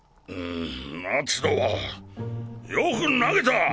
夏野はよく投げた！